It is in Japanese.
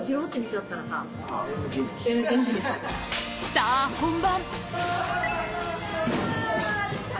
さあ本番。